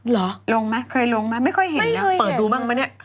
หรอเคยลงมาไม่ค่อยเห็นเลยเนี่ยเปิดดูบ้างมั้ยแนี่ย